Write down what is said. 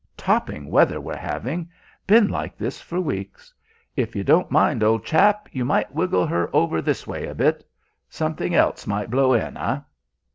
Topping weather we're having been like this for weeks. If you don't mind, old chap, you might wiggle her over this way a bit. Something else might blow in, eh?"